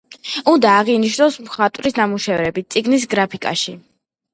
უნდა აღინიშნოს მხატვრის ნამუშევრები წიგნის გრაფიკაში.